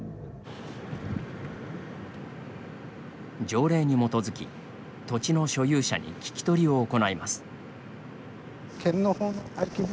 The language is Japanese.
条例に基づき、土地の所有者に聞き取りを行います。